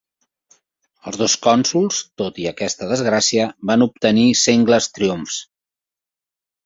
Els dos cònsols, tot i aquesta desgràcia, van obtenir sengles triomfs.